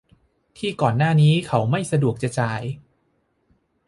ที่ก่อนหน้านี้เขาไม่สะดวกจะจ่าย